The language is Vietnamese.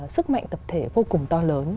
sức mạnh tập thể vô cùng to lớn